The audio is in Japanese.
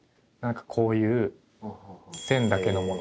こういう線だけのもの。